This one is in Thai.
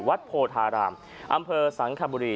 โพธารามอำเภอสังคบุรี